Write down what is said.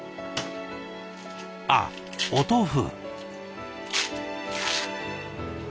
あっお豆腐。